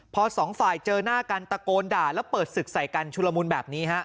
พอสองฝ่ายเจอหน้ากันตะโกนด่าแล้วเปิดศึกใส่กันชุลมุนแบบนี้ฮะ